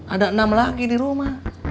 ada enam lagi di rumah